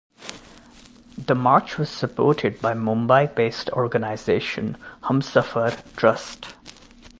The march was supported by Mumbai based organisation Humsafar Trust.